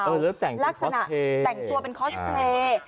แล้วแต่งตัวเป็นคอสเพลย์